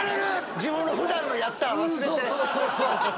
自分の普段の「やった」忘れて。